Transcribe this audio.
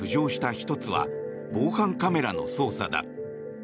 １つは防犯カメラの捜査だ。